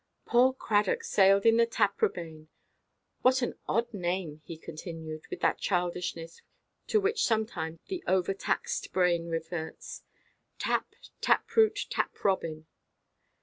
"Poor Cradock sailed in the Taprobane! What an odd name," he continued, with that childishness to which sometimes the overtaxed brain reverts, "tap, tap–root, tap–robin!